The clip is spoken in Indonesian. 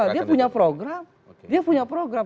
dia punya program dia punya program